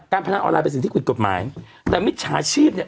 พนันออนไลน์เป็นสิ่งที่ผิดกฎหมายแต่มิจฉาชีพเนี่ย